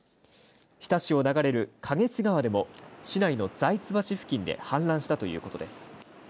日田市を流れる花月川でも市内の財津橋付近で氾濫したということです。